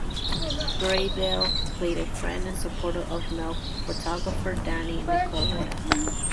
Grabeel played a friend and supporter of Milk, photographer Danny Nicoletta.